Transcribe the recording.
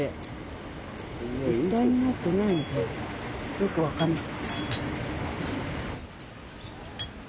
よく分かんない。